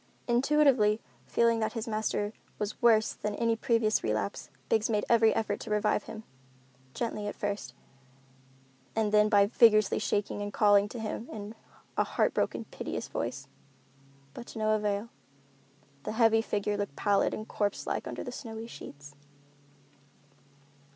Intuitively feeling that his master was worse than at any previous relapse, Biggs made every effort to revive him, gently at first, and then by vigorously shaking and calling to him in a heart broken, piteous voice. But to no avail. The heavy figure looked pallid and corpse like under the snowy sheets.